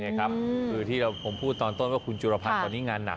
เนี่ยครับคือที่เราผมพูดตอนต้นว่าคุณจุลภัณฑ์ตอนนี้งานหนัก